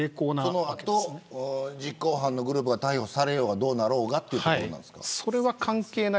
その後、実行犯が逮捕されようがどうなろうがというところですか。